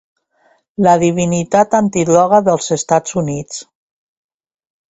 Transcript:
La divinitat antidroga dels Estats Units.